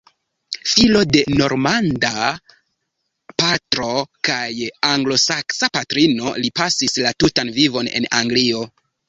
Filo de normanda patro kaj anglosaksa patrino, li pasis la tutan vivon en Anglio.